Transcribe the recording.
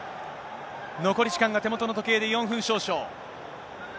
残り時間が手元の時計で４分少々。